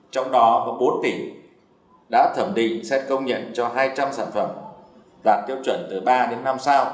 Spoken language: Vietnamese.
trong đó có bốn tỉnh đã thẩm định xét công nhận cho hai trăm linh sản phẩm đạt tiêu chuẩn từ ba đến năm sao